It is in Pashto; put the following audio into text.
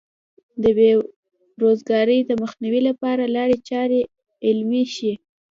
د بې روزګارۍ د مخنیوي لپاره لارې چارې عملي شي.